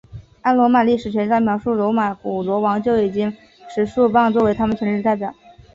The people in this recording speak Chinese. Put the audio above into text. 按罗马历史学家的描述上古罗马国王就已经持束棒作为他们权力的代表了。